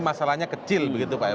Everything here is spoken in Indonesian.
masalahnya kecil begitu pak ya